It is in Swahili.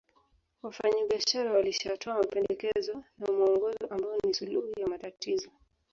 Wafanyabiashara walishatoa mapendekezo na muongozo ambao ni suluhu ya matatizo